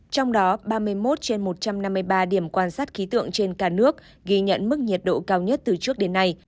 trong đó ba mươi một trên một trăm năm mươi ba điểm quan sát khí tượng trên cả nước ghi nhận mức nhiệt độ cao nhất từ trước đến nay